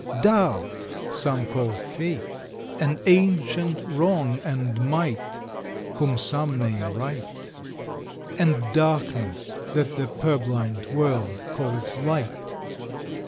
Doubt, some call Faith; and ancient Wrong and Might, Whom some name Right; And Darkness, that the purblind world calls Light.